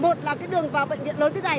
một là cái đường vào bệnh viện lớn thế này